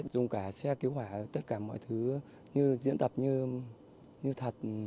dùng cả xe cứu hỏa tất cả mọi thứ như diễn tập như thật